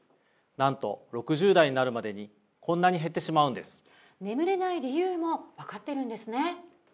なんと６０代になるまでにこんなに減ってしまうんです眠れない理由もわかっているんですね